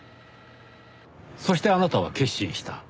そしてあなたは決心した。